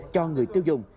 cho người tiêu dùng